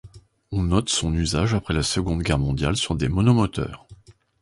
On note son usage après la Seconde Guerre mondiale sur des monomoteurs.